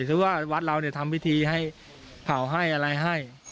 คือว่าวัดเราทำพิธีให้เผาให้อะไรให้